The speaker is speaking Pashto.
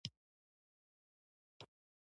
ناسمی او غلطی جملی مه تاییدوی